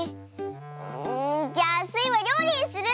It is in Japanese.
んじゃあスイはりょうりにする！